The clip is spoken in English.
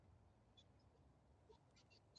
Graham was one of four children.